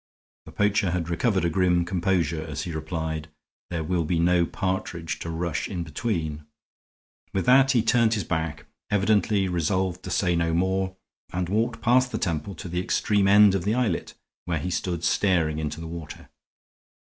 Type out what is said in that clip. The poacher had recovered a grim composure as he replied. "There will be no partridge to rush in between." With that he turned his back, evidently resolved to say no more, and walked past the temple to the extreme end of the islet, where he stood staring into the water.